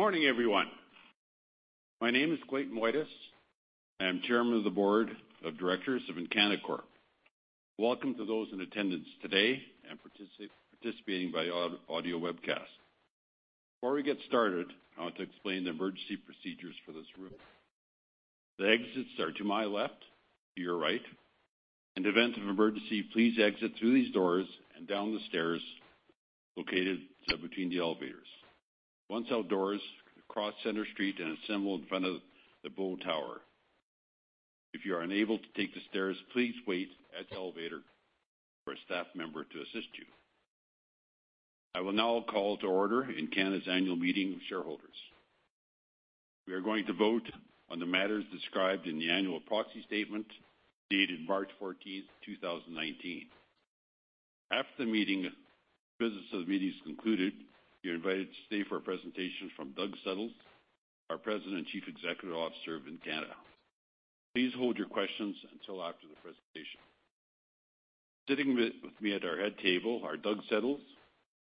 Good morning, everyone. My name is Clayton Woitas, and I'm Chairman of the Board of Directors of Encana Corp. Welcome to those in attendance today and participating by audio webcast. Before we get started, I want to explain the emergency procedures for this room. The exits are to my left, to your right. In the event of an emergency, please exit through these doors and down the stairs located between the elevators. Once outdoors, cross Centre Street and assemble in front of the Bow Tower. If you are unable to take the stairs, please wait at the elevator for a staff member to assist you. I will now call to order Encana's annual meeting of shareholders. We are going to vote on the matters described in the annual proxy statement dated March 14th, 2019. After the business of the meeting is concluded, you're invited to stay for a presentation from Doug Suttles, our President and Chief Executive Officer of Encana. Please hold your questions until after the presentation. Sitting with me at our head table are Doug Suttles,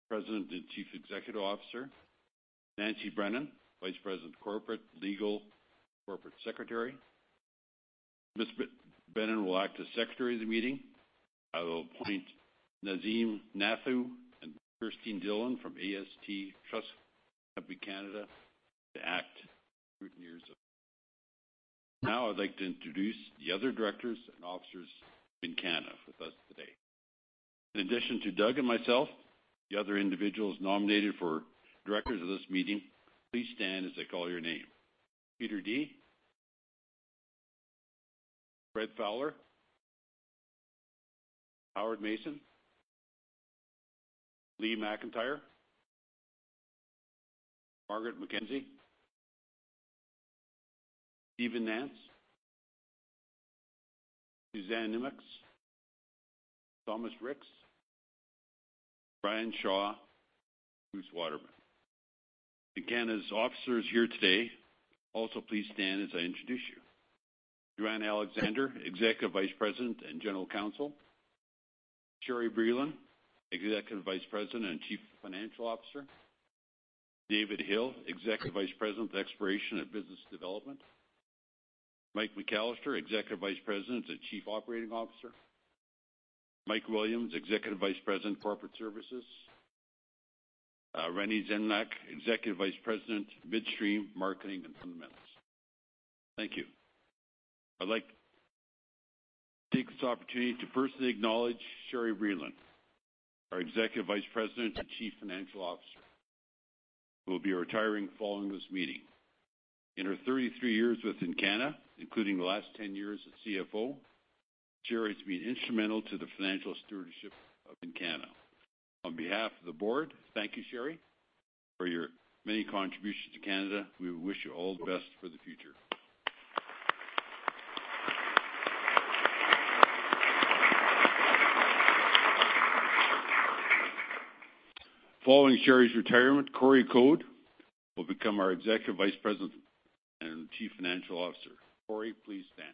President and Chief Executive Officer, Nancy Brennan, Vice President, Corporate Legal, Corporate Secretary. Ms. Brennan will act as Secretary of the meeting. I will appoint Nazim Nathoo and Kirsten Dillon from AST Trust Company (Canada) to act as scrutineers. I'd like to introduce the other directors and officers of Encana with us today. In addition to Doug and myself, the other individuals nominated for directors of this meeting, please stand as I call your name. Peter Dea. Fred Fowler. Howard Mayson. Lee McIntire. Margaret McKenzie. Steven Nance. Suzanne Nimocks. Thomas Ricks. Brian Shaw. Bruce Waterman. Encana's officers here today, also please stand as I introduce you. Joanne Alexander, Executive Vice President and General Counsel. Sherri Brillon, Executive Vice President and Chief Financial Officer. David Hill, Executive Vice President of Exploration and Business Development. Mike McAllister, Executive Vice President and Chief Operating Officer. Mike Williams, Executive Vice President, Corporate Services. Renee Zemljak, Executive Vice President, Midstream Marketing and Fundamentals. Thank you. I'd like to take this opportunity to personally acknowledge Sherri Brillon, our Executive Vice President and Chief Financial Officer, who will be retiring following this meeting. In her 33 years with Encana, including the last 10 years as CFO, Sherri has been instrumental to the financial stewardship of Encana. On behalf of the board, thank you, Sherri, for your many contributions to Canada. We wish you all the best for the future. Following Sherri's retirement, Corey Code will become our Executive Vice President and Chief Financial Officer. Corey, please stand.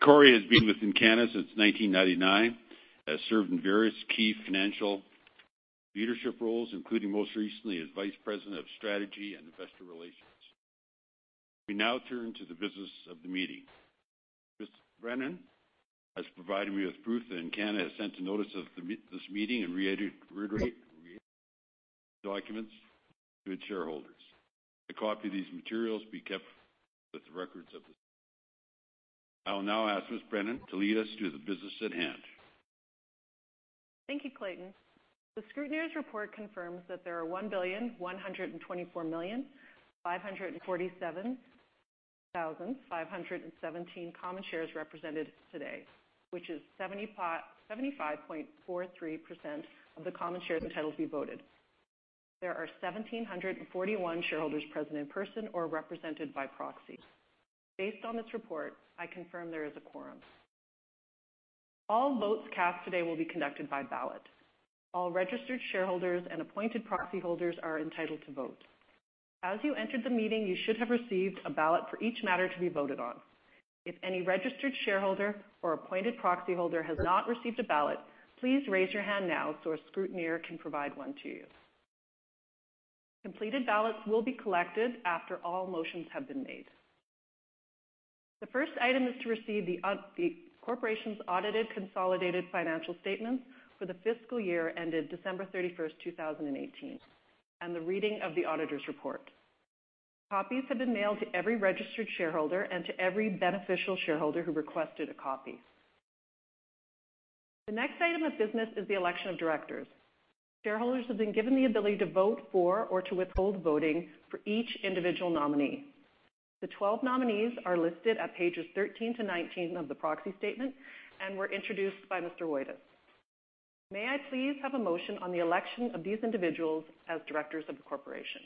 Corey has been with Encana since 1999, has served in various key financial leadership roles, including most recently as Vice President of Strategy and Investor Relations. We turn to the business of the meeting. Ms. Brennan has provided me with proof that Encana has sent a notice of this meeting and related documents to its shareholders. A copy of these materials will be kept with the records. I will ask Ms. Brennan to lead us through the business at hand. Thank you, Clayton. The scrutineer's report confirms that there are 1,124,547,517 common shares represented today, which is 75.43% of the common shares entitled to be voted. There are 1,741 shareholders present in person or represented by proxy. Based on this report, I confirm there is a quorum. All votes cast today will be conducted by ballot. All registered shareholders and appointed proxy holders are entitled to vote. As you entered the meeting, you should have received a ballot for each matter to be voted on. If any registered shareholder or appointed proxy holder has not received a ballot, please raise your hand now so a scrutineer can provide one to you. Completed ballots will be collected after all motions have been made. The first item is to receive the corporation's audited consolidated financial statements for the fiscal year ended December 31st, 2018, and the reading of the auditor's report. Copies have been mailed to every registered shareholder and to every beneficial shareholder who requested a copy. The next item of business is the election of directors. Shareholders have been given the ability to vote for or to withhold voting for each individual nominee. The 12 nominees are listed at pages 13 to 19 of the proxy statement and were introduced by Mr. Woitas. May I please have a motion on the election of these individuals as directors of the corporation?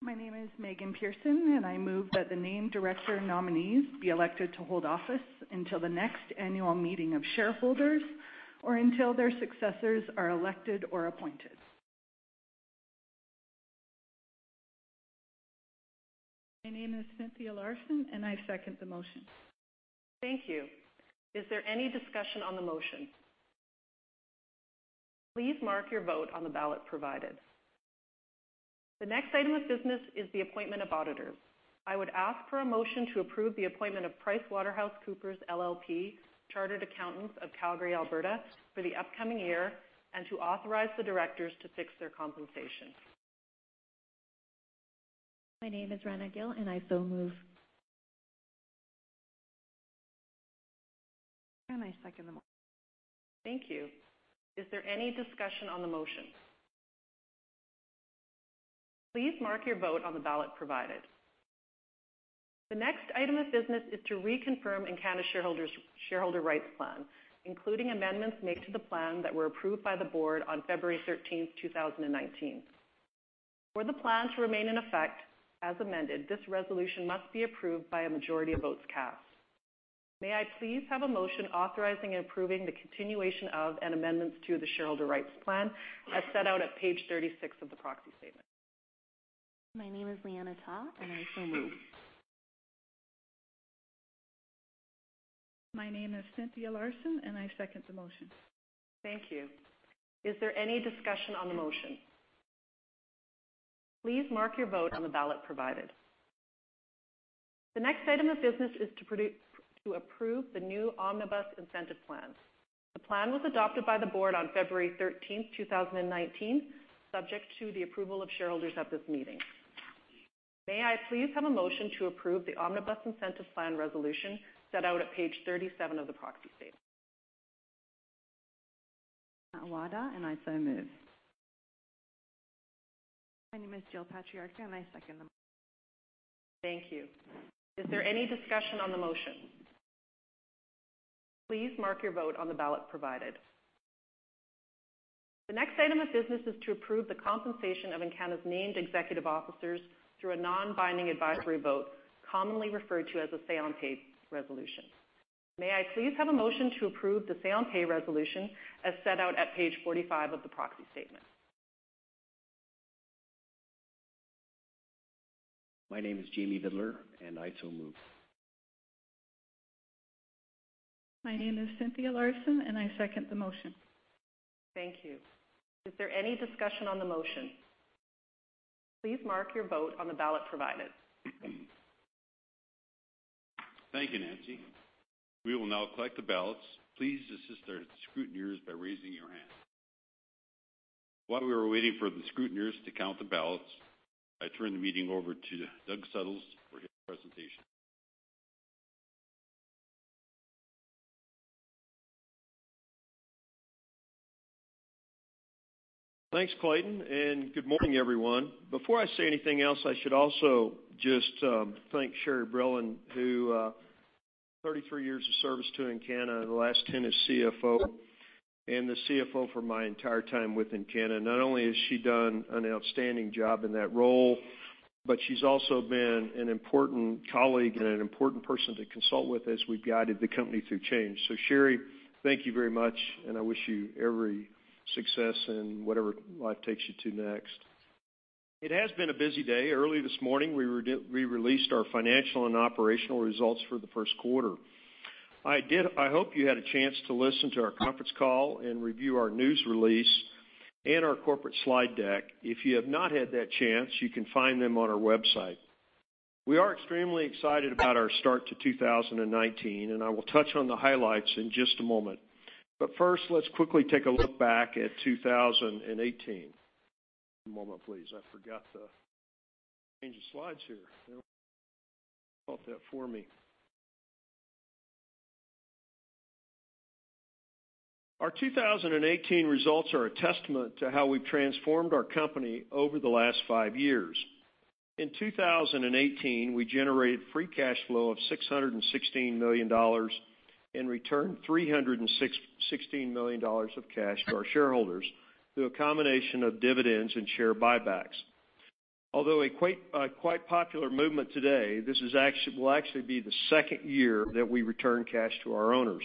My name is Megan Pearson, I move that the named director nominees be elected to hold office until the next annual meeting of shareholders or until their successors are elected or appointed. My name is Cynthia Larson, I second the motion. Thank you. Is there any discussion on the motion? Please mark your vote on the ballot provided. The next item of business is the appointment of auditors. I would ask for a motion to approve the appointment of PricewaterhouseCoopers LLP, Chartered Accountants of Calgary, Alberta, for the upcoming year, and to authorize the directors to fix their compensation. My name is Rana Gill. I so move. I second the motion. Thank you. Is there any discussion on the motion? Please mark your vote on the ballot provided. The next item of business is to reconfirm Encana's Shareholder Rights Plan, including amendments made to the plan that were approved by the board on February 13, 2019. For the plan to remain in effect, as amended, this resolution must be approved by a majority of votes cast. May I please have a motion authorizing and approving the continuation of, and amendments to the Shareholder Rights Plan as set out at page 36 of the proxy statement? My name is Liana Ta. I so move. My name is Cynthia Larsen. I second the motion. Thank you. Is there any discussion on the motion? Please mark your vote on the ballot provided. The next item of business is to approve the new Omnibus Incentive Plan. The plan was adopted by the board on February 13, 2019, subject to the approval of shareholders at this meeting. May I please have a motion to approve the Omnibus Incentive Plan resolution set out at page 37 of the proxy statement? Awada, I so move. My name is Jill Patriarch, I second the motion. Thank you. Is there any discussion on the motion? Please mark your vote on the ballot provided. The next item of business is to approve the compensation of Encana's named executive officers through a non-binding advisory vote, commonly referred to as a say-on-pay resolution. May I please have a motion to approve the say-on-pay resolution as set out at page 45 of the proxy statement? My name is Jamie Vidler, I so move. My name is Cynthia Larsen, I second the motion. Thank you. Is there any discussion on the motion? Please mark your vote on the ballot provided. Thank you, Nancy. We will now collect the ballots. Please assist our scrutineers by raising your hand. While we are waiting for the scrutineers to count the ballots, I turn the meeting over to Doug Suttles for his presentation. Thanks, Clayton, and good morning, everyone. Before I say anything else, I should also just thank Sherri Brillon, who, 33 years of service to Encana, the last 10 as CFO. The CFO for my entire time with Encana. Not only has she done an outstanding job in that role, but she's also been an important colleague and an important person to consult with as we've guided the company through change. Sherri, thank you very much, and I wish you every success in whatever life takes you to next. It has been a busy day. Early this morning, we released our financial and operational results for the first quarter. I hope you had a chance to listen to our conference call and review our news release and our corporate slide deck. If you have not had that chance, you can find them on our website. We are extremely excited about our start to 2019, and I will touch on the highlights in just a moment. First, let's quickly take a look back at 2018. One moment please. I forgot to change the slides here. Pop that for me. Our 2018 results are a testament to how we've transformed our company over the last five years. In 2018, we generated free cash flow of 616 million dollars and returned 316 million dollars of cash to our shareholders through a combination of dividends and share buybacks. Although a quite popular movement today, this will actually be the second year that we return cash to our owners.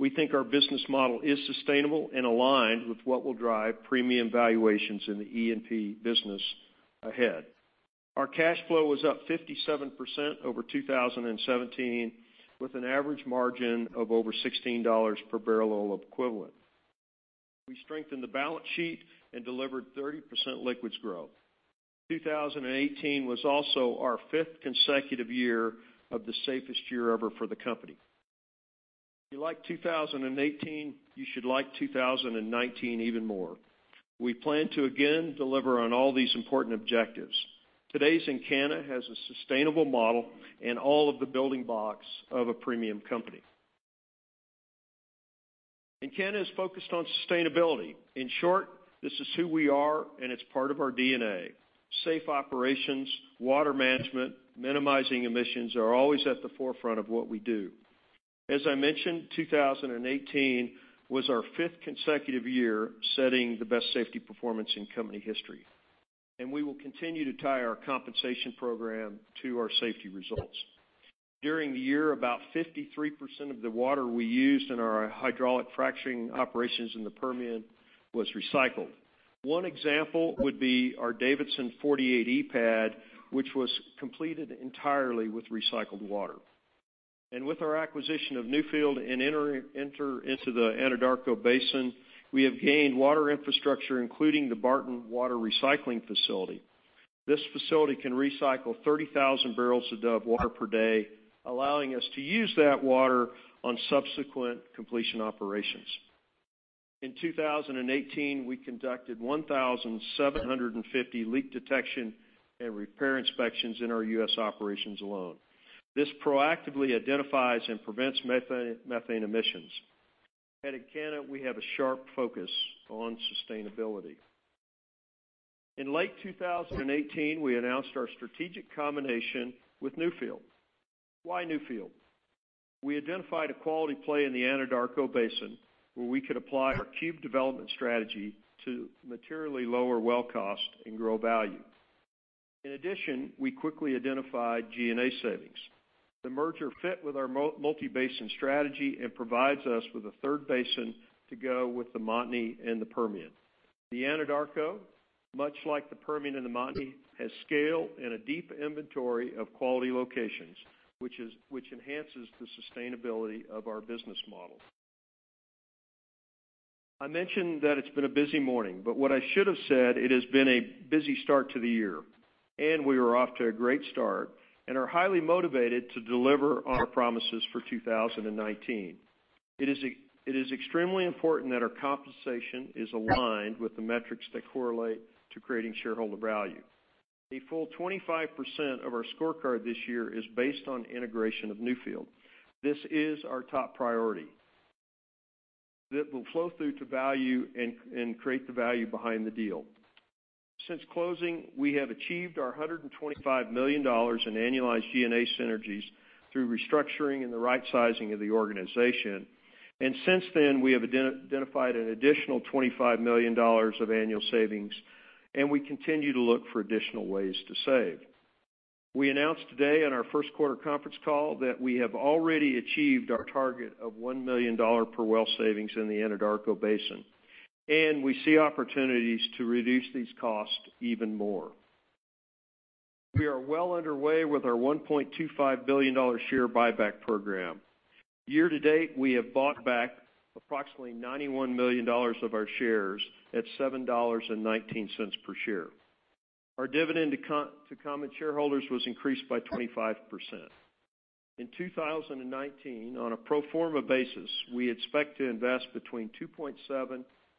We think our business model is sustainable and aligned with what will drive premium valuations in the E&P business ahead. Our cash flow was up 57% over 2017, with an average margin of over 16 dollars per barrel oil equivalent. We strengthened the balance sheet and delivered 30% liquids growth. 2018 was also our fifth consecutive year of the safest year ever for the company. If you like 2018, you should like 2019 even more. We plan to again deliver on all these important objectives. Today's Encana has a sustainable model and all of the building blocks of a premium company. Encana is focused on sustainability. In short, this is who we are, and it's part of our DNA. Safe operations, water management, minimizing emissions are always at the forefront of what we do. As I mentioned, 2018 was our fifth consecutive year setting the best safety performance in company history. We will continue to tie our compensation program to our safety results. During the year, about 53% of the water we used in our hydraulic fracturing operations in the Permian was recycled. One example would be our Davidson 48E pad, which was completed entirely with recycled water. With our acquisition of Newfield and enter into the Anadarko Basin, we have gained water infrastructure, including the Barton Water Recycling Facility. This facility can recycle 30,000 barrels of water per day, allowing us to use that water on subsequent completion operations. In 2018, we conducted 1,750 leak detection and repair inspections in our U.S. operations alone. This proactively identifies and prevents methane emissions. At Encana, we have a sharp focus on sustainability. In late 2018, we announced our strategic combination with Newfield. Why Newfield? We identified a quality play in the Anadarko Basin, where we could apply our cube development strategy to materially lower well cost and grow value. In addition, we quickly identified G&A savings. The merger fit with our multi-basin strategy and provides us with a third basin to go with the Montney and the Permian. The Anadarko, much like the Permian and the Montney, has scale and a deep inventory of quality locations, which enhances the sustainability of our business model. I mentioned that it's been a busy morning, but what I should have said, it has been a busy start to the year. We are off to a great start and are highly motivated to deliver on our promises for 2019. It is extremely important that our compensation is aligned with the metrics that correlate to creating shareholder value. A full 25% of our scorecard this year is based on integration of Newfield. This is our top priority that will flow through to value and create the value behind the deal. Since closing, we have achieved our 125 million dollars in annualized G&A synergies through restructuring and the right sizing of the organization. Since then, we have identified an additional 25 million dollars of annual savings, and we continue to look for additional ways to save. We announced today on our first quarter conference call that we have already achieved our target of 1 million dollar per well savings in the Anadarko Basin, and we see opportunities to reduce these costs even more. We are well underway with our 1.25 billion dollar share buyback program. Year to date, we have bought back approximately $91 million of our shares at $7.19 per share. Our dividend to common shareholders was increased by 25%. In 2019, on a pro forma basis, we expect to invest between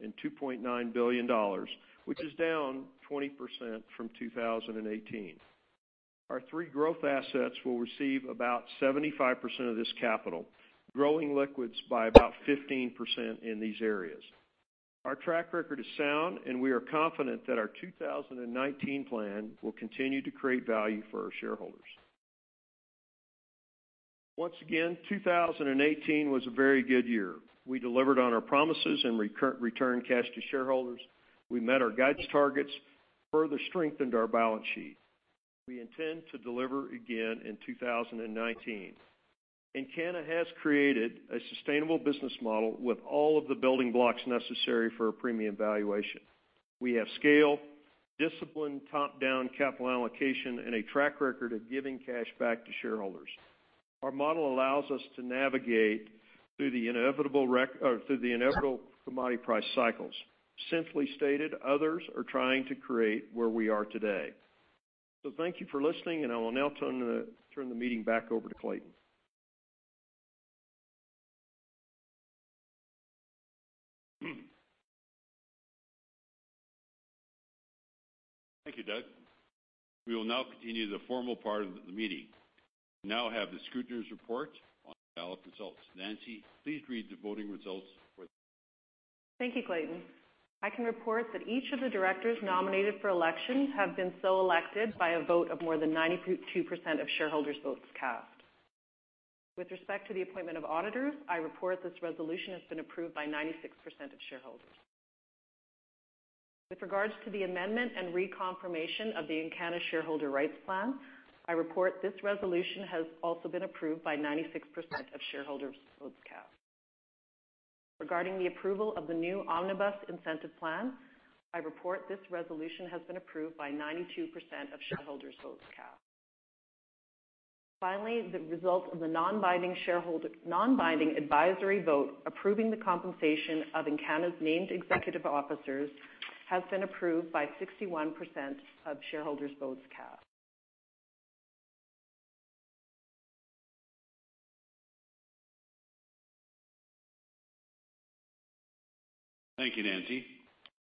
2.7 billion and 2.9 billion dollars, which is down 20% from 2018. Our three growth assets will receive about 75% of this capital, growing liquids by about 15% in these areas. Our track record is sound, and we are confident that our 2019 plan will continue to create value for our shareholders. Once again, 2018 was a very good year. We delivered on our promises and returned cash to shareholders. We met our guidance targets, further strengthened our balance sheet. We intend to deliver again in 2019. Encana has created a sustainable business model with all of the building blocks necessary for a premium valuation. We have scale, discipline, top-down capital allocation, and a track record of giving cash back to shareholders. Our model allows us to navigate through the inevitable commodity price cycles. Simply stated, others are trying to create where we are today. Thank you for listening, and I will now turn the meeting back over to Clayton. Thank you, Doug. We will now continue the formal part of the meeting. We now have the scrutineer's report on ballot results. Nancy, please read the voting results for us. Thank you, Clayton. I can report that each of the directors nominated for election have been so elected by a vote of more than 92% of shareholders' votes cast. With respect to the appointment of auditors, I report this resolution has been approved by 96% of shareholders. With regards to the amendment and reconfirmation of the Encana Shareholder Rights Plan, I report this resolution has also been approved by 96% of shareholders' votes cast. Regarding the approval of the new Omnibus Incentive Plan, I report this resolution has been approved by 92% of shareholders' votes cast. Finally, the result of the non-binding advisory vote approving the compensation of Encana's named executive officers has been approved by 61% of shareholders' votes cast. Thank you, Nancy.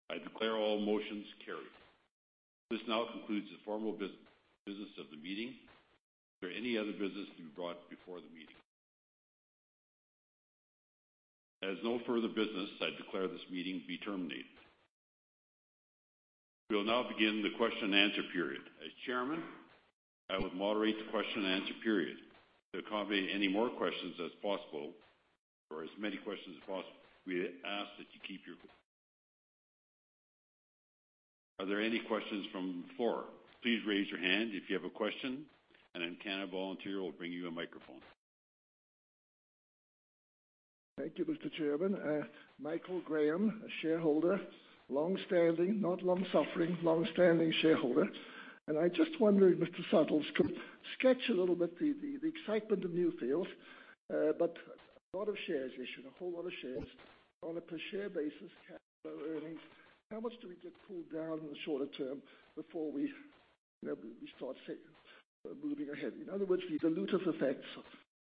I declare all motions carried. This now concludes the formal business of the meeting. Is there any other business to be brought before the meeting? As no further business, I declare this meeting be terminated. We will now begin the question and answer period. As chairman, I will moderate the question and answer period. To accommodate any more questions as possible or as many questions as possible, Are there any questions from the floor? Please raise your hand if you have a question, and an Encana volunteer will bring you a microphone. Thank you, Mr. Chairman. Michael Graham, a shareholder, longstanding, not long-suffering, longstanding shareholder. I just wondered, Mr. Suttles, could you sketch a little bit the excitement of Newfield, but a lot of shares issued, a whole lot of shares. On a per share basis, cash flow earnings, how much do we get pulled down in the shorter term before we start moving ahead? In other words, the dilutive effects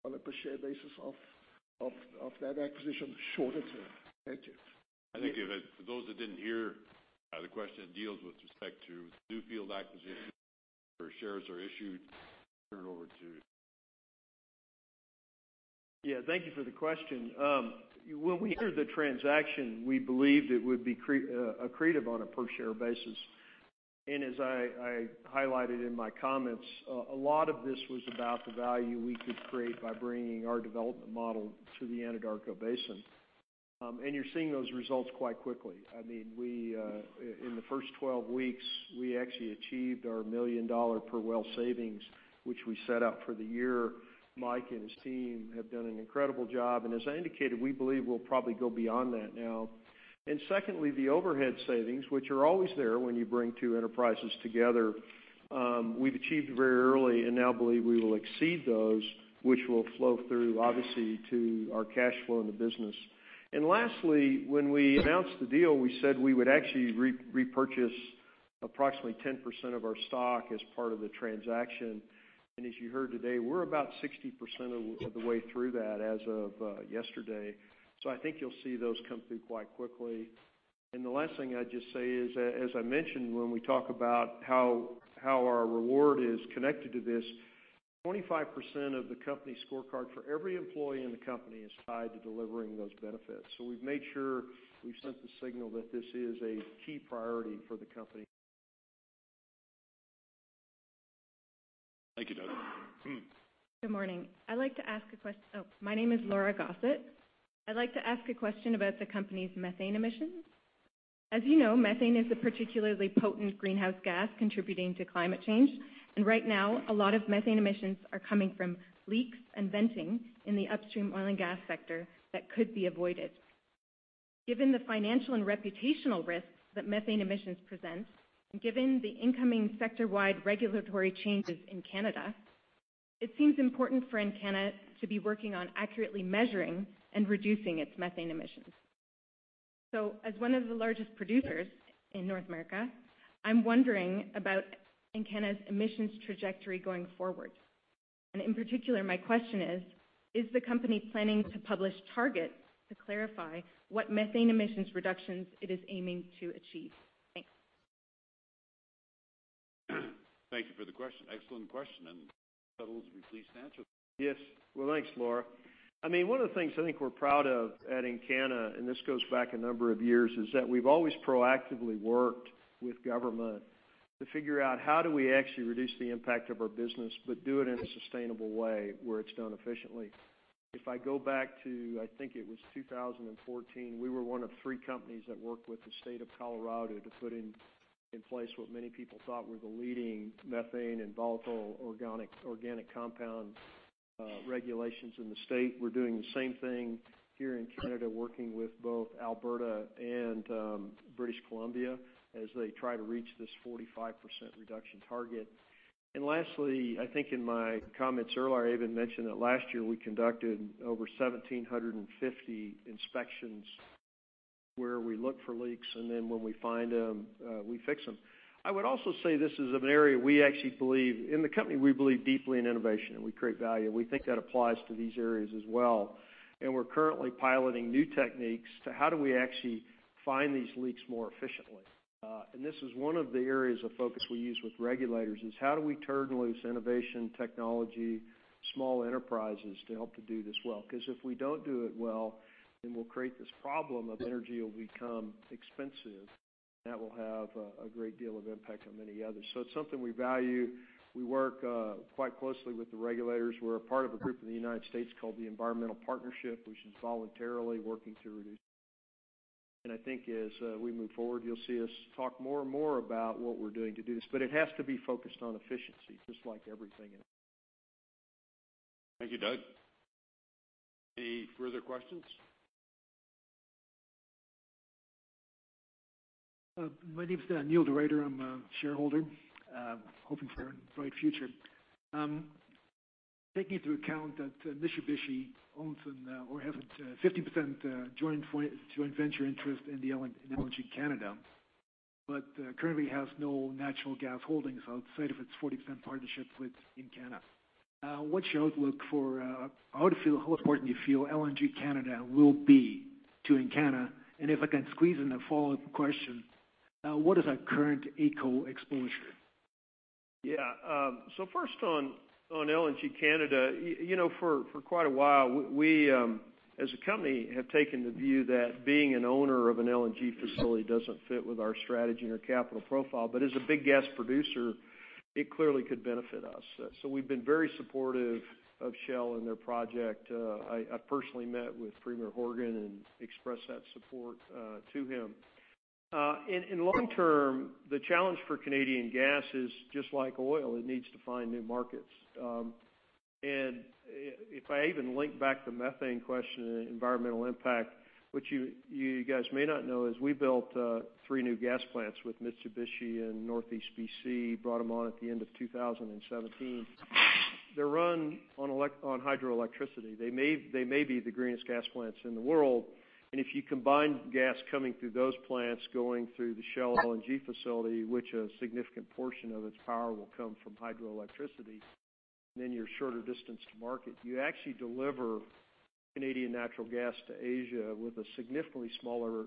on a per share basis of that acquisition shorter term. Thank you. I think for those that didn't hear, the question deals with respect to Newfield acquisition where shares are issued. Turn it over to you. Yeah. Thank you for the question. When we entered the transaction, we believed it would be accretive on a per share basis. As I highlighted in my comments, a lot of this was about the value we could create by bringing our development model to the Anadarko Basin. You're seeing those results quite quickly. In the first 12 weeks, we actually achieved our $1 million per well savings, which we set out for the year. Mike and his team have done an incredible job, as I indicated, we believe we'll probably go beyond that now. Secondly, the overhead savings, which are always there when you bring two enterprises together, we've achieved very early and now believe we will exceed those, which will flow through obviously to our cash flow in the business. Lastly, when we announced the deal, we said we would actually repurchase approximately 10% of our stock as part of the transaction. As you heard today, we're about 60% of the way through that as of yesterday. I think you'll see those come through quite quickly. The last thing I'd just say is, as I mentioned, when we talk about how our reward is connected to this, 25% of the company scorecard for every employee in the company is tied to delivering those benefits. We've made sure we've sent the signal that this is a key priority for the company. Thank you, Doug. Good morning. My name is Laura Gossett. I'd like to ask a question about the company's methane emissions. As you know, methane is a particularly potent greenhouse gas contributing to climate change, and right now, a lot of methane emissions are coming from leaks and venting in the upstream oil and gas sector that could be avoided. Given the financial and reputational risks that methane emissions present, given the incoming sector-wide regulatory changes in Canada, it seems important for Encana to be working on accurately measuring and reducing its methane emissions. As one of the largest producers in North America, I'm wondering about Encana's emissions trajectory going forward. In particular, my question is the company planning to publish targets to clarify what methane emissions reductions it is aiming to achieve? Thanks. Thank you for the question. Excellent question. Suttles, would you please answer? Yes. Well, thanks, Laura. One of the things I think we're proud of at Encana, and this goes back a number of years, is that we've always proactively worked with government to figure out how do we actually reduce the impact of our business, but do it in a sustainable way where it's done efficiently. If I go back to, I think it was 2014, we were one of three companies that worked with the state of Colorado to put in place what many people thought were the leading methane and volatile organic compound regulations in the state. We're doing the same thing here in Canada, working with both Alberta and British Columbia as they try to reach this 45% reduction target. Lastly, I think in my comments earlier, I even mentioned that last year we conducted over 1,750 inspections where we look for leaks, and then when we find them, we fix them. I would also say this is an area we actually believe. In the company, we believe deeply in innovation, and we create value, and we think that applies to these areas as well, and we're currently piloting new techniques to how do we actually find these leaks more efficiently. This is one of the areas of focus we use with regulators, is how do we turn loose innovation, technology, small enterprises to help to do this well? If we don't do it well, then we'll create this problem of energy will become expensive, and that will have a great deal of impact on many others. It's something we value. We work quite closely with the regulators. We're a part of a group in the U.S. called The Environmental Partnership, which is voluntarily working to reduce. I think as we move forward, you'll see us talk more and more about what we're doing to do this. It has to be focused on efficiency, just like everything else. Thank you, Doug. Any further questions? My name is Neil DeRuyter. I'm a shareholder, hoping for a bright future. Taking into account that Mitsubishi owns or has a 50% joint venture interest in LNG Canada, but currently has no natural gas holdings outside of its 40% partnership with Encana. What's your outlook for? How important do you feel LNG Canada will be to Encana? If I can squeeze in a follow-up question, what is our current AECO exposure? Yeah. First on LNG Canada. For quite a while, we, as a company, have taken the view that being an owner of an LNG facility doesn't fit with our strategy and our capital profile. As a big gas producer, it clearly could benefit us. We've been very supportive of Shell and their project. I personally met with Premier Horgan and expressed that support to him. In long term, the challenge for Canadian gas is just like oil, it needs to find new markets. If I even link back the methane question, environmental impact, which you guys may not know, is we built three new gas plants with Mitsubishi in Northeast B.C., brought them on at the end of 2017. They're run on hydroelectricity. They may be the greenest gas plants in the world. If you combine gas coming through those plants going through the Shell LNG facility, which a significant portion of its power will come from hydroelectricity, you're shorter distance to market. You actually deliver Canadian natural gas to Asia with a significantly smaller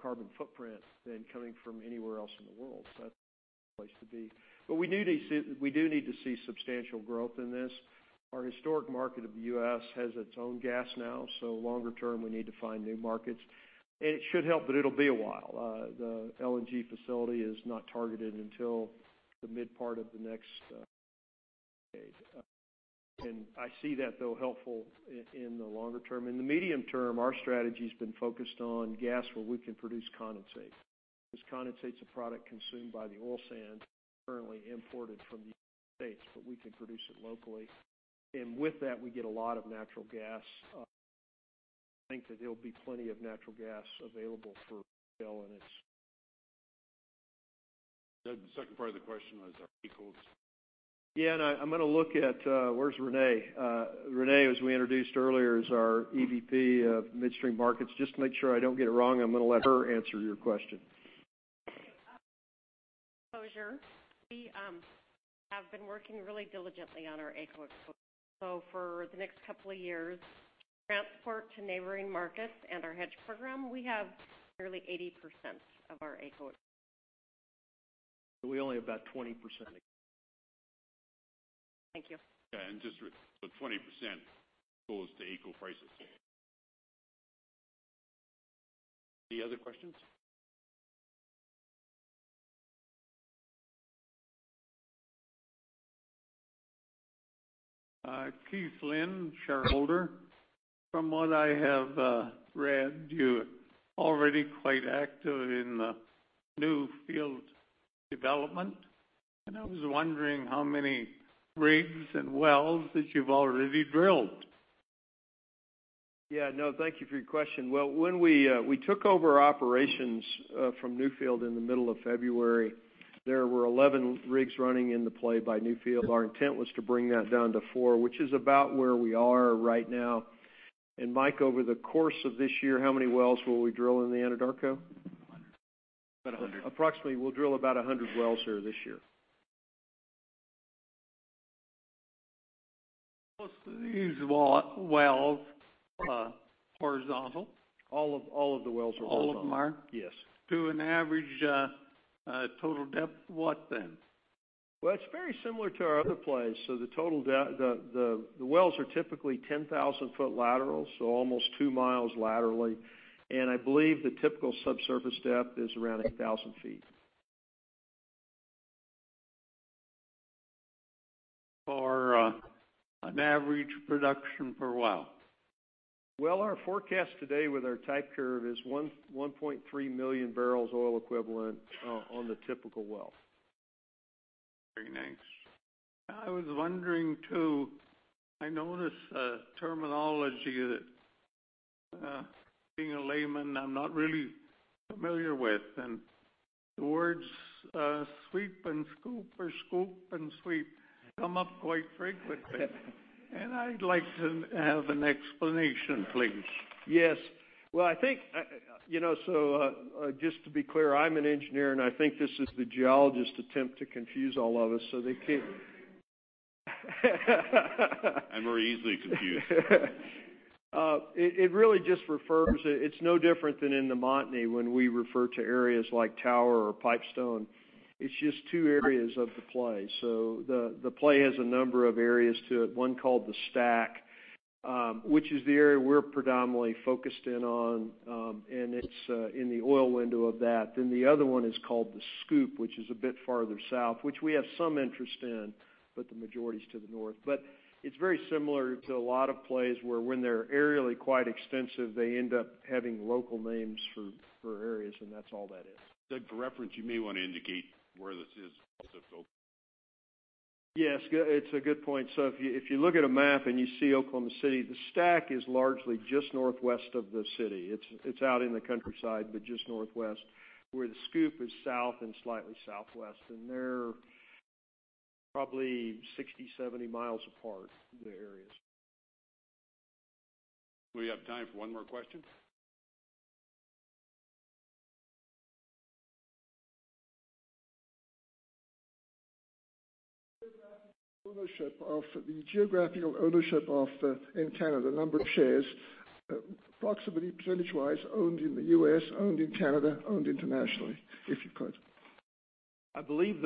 carbon footprint than coming from anywhere else in the world. That's the place to be. We do need to see substantial growth in this. Our historic market of the U.S. has its own gas now. Longer term, we need to find new markets. It should help, it'll be a while. The LNG facility is not targeted until the mid part of the next decade. I see that, though, helpful in the longer term. In the medium term, our strategy's been focused on gas where we can produce condensate, because condensate's a product consumed by the oil sand currently imported from the States, we can produce it locally. With that, we get a lot of natural gas. I think that there'll be plenty of natural gas available for sale in its Doug, the second part of the question was our AECO. Yeah, and I'm gonna look at, where's Renee? Renee, as we introduced earlier, is our EVP of Midstream Markets. Just to make sure I don't get it wrong, I'm gonna let her answer your question. Closure. We have been working really diligently on our AECO. For the next couple of years, transport to neighboring markets and our hedge program, we have nearly 80% of our AECO. We only have about 20% AECO. Thank you. Yeah, just so 20% goes to AECO prices. Any other questions? Keith Lynn, Shareholder. From what I have read, you're already quite active in the Newfield development, I was wondering how many rigs and wells that you've already drilled. Yeah. No, thank you for your question. Well, when we took over operations from Newfield in the middle of February, there were 11 rigs running in the play by Newfield. Our intent was to bring that down to four, which is about where we are right now. Mike, over the course of this year, how many wells will we drill in the Anadarko? About 100. Approximately, we'll drill about 100 wells there this year. Most of these wells are horizontal? All of the wells are horizontal. All of them are? Yes. To an average total depth, what then? Well, it's very similar to our other plays. The wells are typically 10,000-foot lateral, so almost two miles laterally. I believe the typical subsurface depth is around 8,000 feet. For an average production per well? Well, our forecast today with our type curve is 1.3 million barrels oil equivalent on the typical well. Very nice. I was wondering, too, I notice a terminology that, being a layman, I'm not really familiar with. The words sweep and scoop or scoop and sweep come up quite frequently. I'd like to have an explanation, please. Yes. Well, I think, so just to be clear, I'm an engineer, and I think this is the geologists' attempt to confuse all of us so they keep I'm very easily confused. It's no different than in the Montney when we refer to areas like Tower or Pipestone. It's just two areas of the play. The play has a number of areas to it, one called the Stack, which is the area we're predominantly focused in on. It's in the oil window of that. The other one is called the Scoop, which is a bit farther south, which we have some interest in, but the majority's to the north. It's very similar to a lot of plays where when they're aerially quite extensive, they end up having local names for areas, and that's all that is. Doug, for reference, you may want to indicate where this is specifically. It's a good point. If you look at a map and you see Oklahoma City, the Stack is largely just northwest of the city. It's out in the countryside, but just northwest, where the Scoop is south and slightly southwest, and they're probably 60, 70 miles apart, the areas. We have time for one more question. The geographical ownership of Encana, the number of shares, approximately percentage-wise, owned in the U.S., owned in Canada, owned internationally, if you could? I believe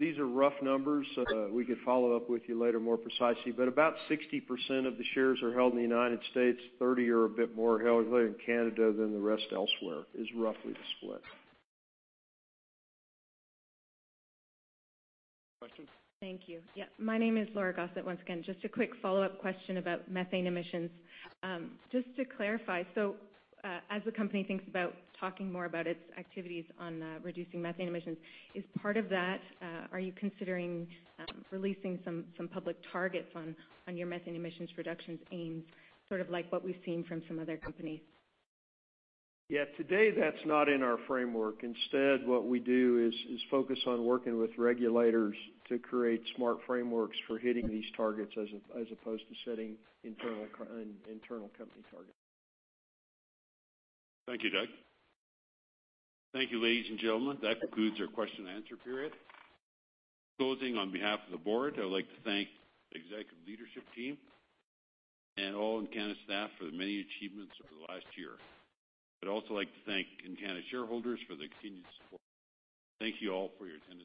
these are rough numbers. We could follow up with you later more precisely. About 60% of the shares are held in the U.S., 30 or a bit more held in Canada, then the rest elsewhere, is roughly the split. Questions? Thank you. My name is Laura Gossett once again. Just a quick follow-up question about methane emissions. Just to clarify, as the company thinks about talking more about its activities on reducing methane emissions, as part of that, are you considering releasing some public targets on your methane emissions reductions aims, sort of like what we've seen from some other companies? Today, that's not in our framework. Instead, what we do is focus on working with regulators to create smart frameworks for hitting these targets as opposed to setting internal company targets. Thank you, Doug. Thank you, ladies and gentlemen. That concludes our question and answer period. Closing on behalf of the board, I would like to thank the executive leadership team and all Encana staff for the many achievements over the last year. I'd also like to thank Encana shareholders for their continued support. Thank you all for your attendance.